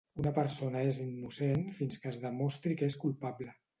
Una persona és innocent fins que es demostri que és culpable.